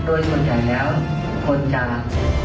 เบอร์เขาเข้าทางขวานี่เขาเป็นคนธนาสาย